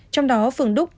trong đó phường đúc